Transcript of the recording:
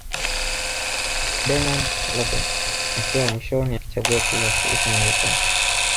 Bernard Lagat akiwa wa mwishoni akichagua kuiwakilisha Marekani